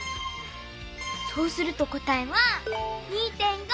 そうすると答えは２．５！